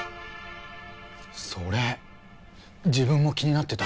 それ自分も気になってた。